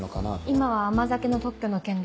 今は甘酒の特許の件です。